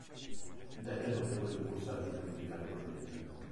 Dette notevole impulso alla vita musicale borghese.